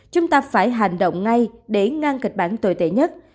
chúng ta phải hành động ngay để ngang kịch bản tồi tệ nhất